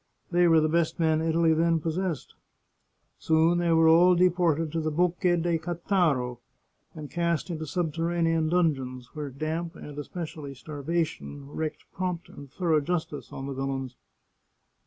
They were the best men Italy then possessed. Soon they were all deported to the Bocche de Cattaro, and cast into subterranean dungeons, where damp and, especially, starvation wreaked prompt and thorough justice on the villains.